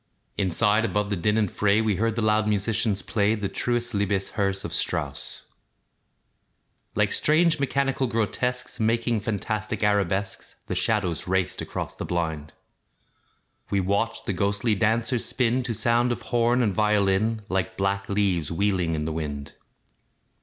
Inside, above the din and fray, We heard the loud musicians play The "Treues Liebes Herz"* of Strauss. ["True Loving Heart"] Like strange mechanical grotesques, Making fantastic arabesques, The shadows raced across the blind. We watched the ghostly dancers spin To sound of horn and violin, Like black leaves wheeling in the wind.